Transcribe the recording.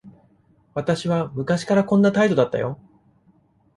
私は昔からこんな態度だったよ。